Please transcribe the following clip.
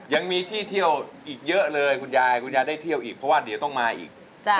ยังมีที่เที่ยวอีกเยอะเลยคุณยายคุณยายได้เที่ยวอีกเพราะว่าเดี๋ยวต้องมาอีก